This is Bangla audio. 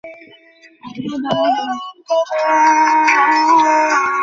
ইহা কষ্ট কি সুখ কে জানে!